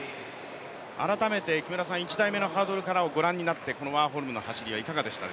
改めて木村さん、１台のハードルからご覧になってワーホルムの走りいかがですか？